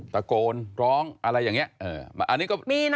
ตะโกนร้องอะไรอย่างนี้